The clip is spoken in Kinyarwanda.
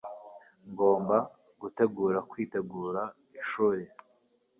Ngomba gutegura kwitegura ishuri